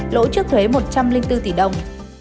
lỗi trước thuế một trăm linh bốn tỷ đồng